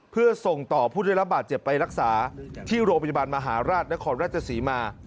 เพื่อส่งต่อผู้ได้รับบาดเจ็บไปรักษาที่โรงพยาบาลมหาราชนครราชศรีมา